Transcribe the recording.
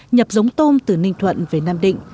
nhập giống tôm từ ninh thuận về nam định